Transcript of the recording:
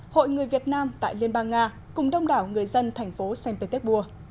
hội người việt nam tại liên bang nga cùng đông đảo người dân thành phố sanh pé tec bua